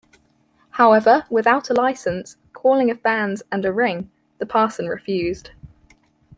However, without a licence, calling of banns, and a ring, the parson refused.